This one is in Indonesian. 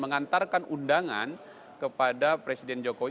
mengantarkan undangan kepada presiden jokowi